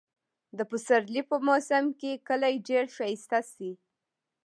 د پسرلي په موسم کې کلى ډېر ښايسته شي.